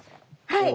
はい。